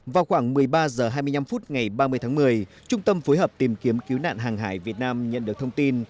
vào khoảng một mươi ba h hai mươi năm phút ngày ba mươi tháng một mươi trung tâm phối hợp tìm kiếm cứu nạn hàng hải việt nam nhận được thông tin